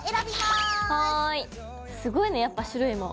すごいねやっぱ種類も。